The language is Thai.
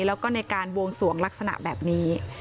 แล้วก็ในการบวงสวงลักษณะแบบนี้